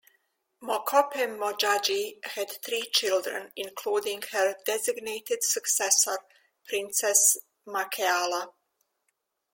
Mokope Modjadji had three children, including her designated successor, Princess Makheala.